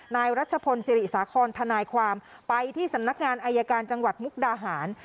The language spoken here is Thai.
นายรัชพลศิริสาคอนทนายความไปที่สำนักงานอายการจังหวัดมุกดาหาร